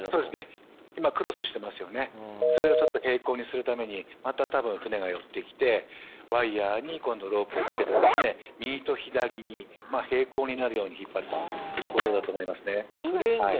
今、クロスしていますのでそれをちょっと平行にするために船が寄ってきてワイヤに今度はロープをつけて右と左に、平行になるように引っ張るということだと思いますね。